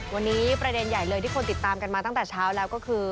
วันนี้ประเด็นใหญ่เลยที่คนติดตามกันมาตั้งแต่เช้าแล้วก็คือ